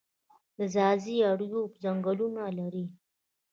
د ځاځي اریوب ځنګلونه لري